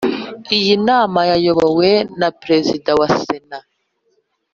Iyi nama yayobowe na Perezida wa Sena .